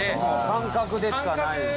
感覚でしかなくて。